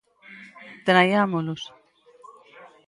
Traiámolos.